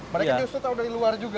mereka justru tahu dari luar juga